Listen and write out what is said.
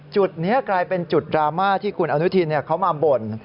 จุดนี้กลายเป็นจุดดราม่าที่คุณอนุทินเขามาบ่น